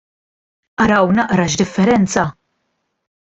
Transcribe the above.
Araw naqra x'differenza!